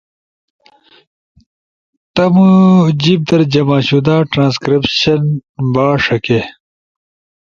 تمو جیِب جمع شدہ ٹرانسکریپشن با ݜکے